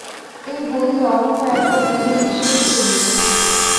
এই বলিয়া অক্ষয় একটা দীর্ঘনিশ্বাস ফেলিল।